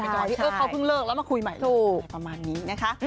เค้าเพิ่งเลิกแล้วมาคุยใหม่กันประมาณนี้นะคะ